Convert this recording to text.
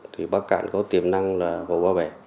thì bắc cạn có tiềm năng là hồ ba bẻ